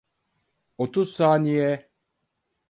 Otuz saniye.